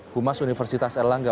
humas universitas erlangga